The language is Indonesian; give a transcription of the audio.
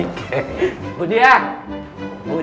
ke belakang dulu pak